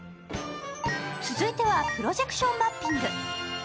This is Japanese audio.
続いてはプロジェクションマッピング。